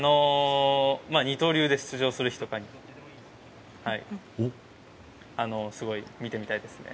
二刀流で出場する日とかにすごい見てみたいですね。